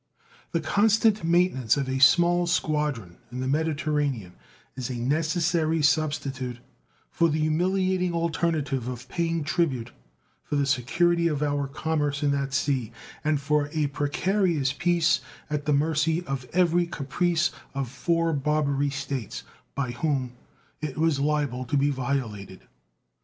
The constant maintenance of a small squadron in the Mediterranean is a necessary substitute for the humiliating alternative of paying tribute for the security of our commerce in that sea, and for a precarious peace, at the mercy of every caprice of four Barbary States, by whom it was liable to be violated.